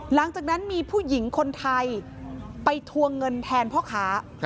หลังจากนั้นมีผู้หญิงคนไทยไปทวงเงินแทนพ่อค้า